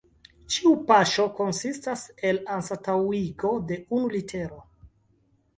Ĉiu paŝo konsistas el anstataŭigo de unu litero.